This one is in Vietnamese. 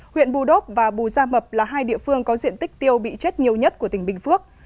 huyện bù đốp và bù gia mập là hai địa phương có diện tích tiêu bị chết nhiều nhất của tỉnh bình phước